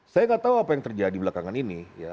saya gak tahu apa yang terjadi di belakangan ini ya